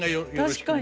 確かに。